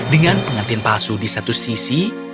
dengan pengantin palsu di satu sisi